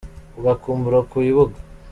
Ugakumbura ku ibuga